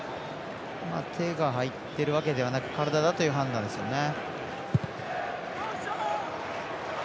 手が入っているわけではなく体だという判断ですね。